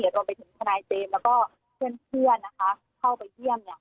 ลงไปถึงคณายเจมส์แล้วก็เพื่อนเพื่อนนะคะเข้าไปเยี่ยมเนี้ย